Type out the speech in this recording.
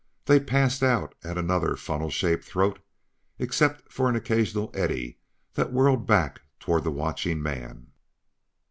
They passed out at another funnel shaped throat except for an occasional eddy that whirled back toward the watching man.